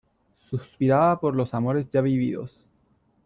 suspiraba por los amores ya vividos ,